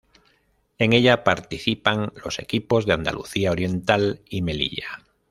En ella participan los equipos de Andalucía Oriental y Melilla.